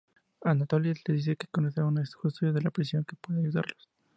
Anatoli les dice que conoce a un custodio de la prisión que puede ayudarlos.